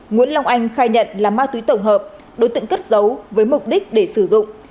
nguyễn long anh khai nhận là ma túy tổng hợp đối tượng cất giấu với mục đích để sử dụng